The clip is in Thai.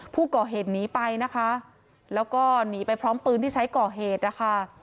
ผู้ก่อเหตุหนีไปนะคะแล้วก็หนีไปพร้อมปืนที่ใช้ก่อเหตุนะคะ